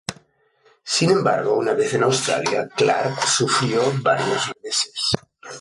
Sin embargo, una vez en Australia, Clark sufrió varios reveses.